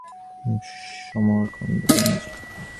তিনি সমরকন্দে বন্দী ছিলেন।